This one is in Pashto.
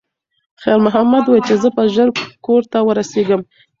خیر محمد وویل چې زه به ژر کور ته ورسیږم.